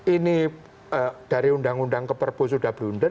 ini dari undang undang ke perbu sudah berunder